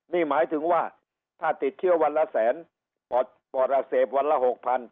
นี่หมายถึงว่าถ้าติดเชื้อวันละแสนปอดอักเสบวันละ๖๐๐